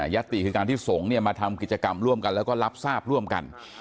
ติคือการที่สงฆ์มาทำกิจกรรมร่วมกันแล้วก็รับทราบร่วมกัน